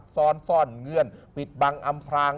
ซ้อนเงื่อนปิดบังอำพราง